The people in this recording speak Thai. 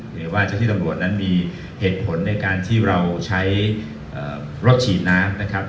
หรือว่าเจ้าที่ตำรวจนั้นมีเหตุผลในการที่เราใช้รถฉีดน้ำนะครับ